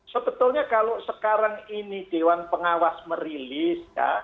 sebetulnya kalau sekarang ini dewan pengawas merilis